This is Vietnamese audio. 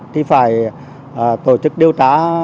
thì phải tổ chức điều tra